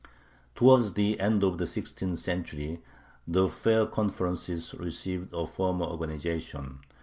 Towards the end of the sixteenth century the fair conferences received a firmer organization.